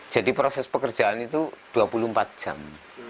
jadi proses pekerjaan itu dua puluh empat jam